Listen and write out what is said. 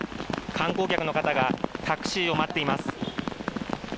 観光客の方がタクシーを待っています。